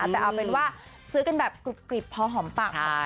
แต่เอาเป็นว่าซื้อกันแบบกรุบกริบพอหอมปากหอม